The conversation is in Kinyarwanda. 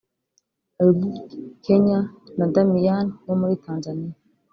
Ruth(Kenya) na Damian wo muri Tanzaniya